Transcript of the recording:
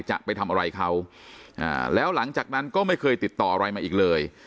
จะไปทำอะไรเขาแล้วหลังจากนั้นก็ไม่เคยติดต่ออะไรมาอีกเลย